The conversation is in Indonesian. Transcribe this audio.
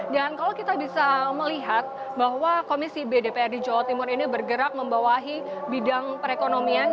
dan kalau kita bisa melihat bahwa komisi b dprd jawa timur ini bergerak membawahi bidang perekonomian